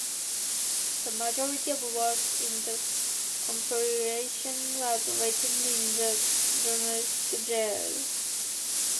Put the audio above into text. The majority of works in the compilation was written in the journalistic genre.